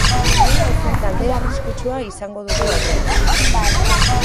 Talde arrikutsua izango dugu aurrean.